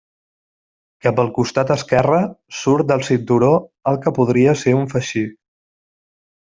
Cap al costat esquerre surt del cinturó el que podria ser un faixí.